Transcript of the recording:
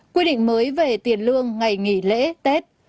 quy định mới về tiền lương ngày nghỉ lễ tết